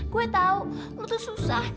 gue tau lo tuh susah